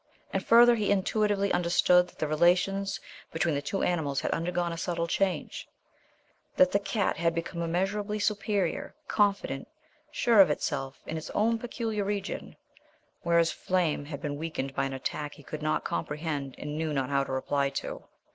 And, further, he intuitively understood that the relations between the two animals had undergone a subtle change: that the cat had become immeasurably superior, confident, sure of itself in its own peculiar region, whereas Flame had been weakened by an attack he could not comprehend and knew not how to reply to.